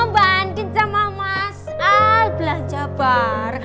banding sama mas al belanja bar